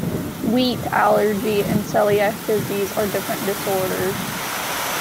Wheat allergy and celiac disease are different disorders.